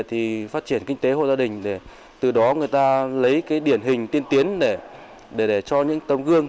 thì phát triển kinh tế hộ gia đình để từ đó người ta lấy cái điển hình tiên tiến để cho những tầm gương